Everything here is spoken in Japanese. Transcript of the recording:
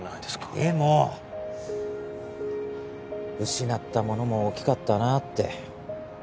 でも失ったものも大きかったなって。